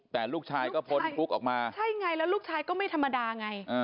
แต่ลูกชายก็พ้นคุกออกมาใช่ไงแล้วลูกชายก็ไม่ธรรมดาไง